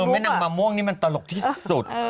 แม่นางมะม่วงนี่มันตลกที่สุด